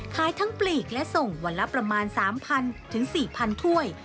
ขายทั้งปลีกและส่งวันละประมาณ๓๐๐ถึง๔๐๐ถ้วย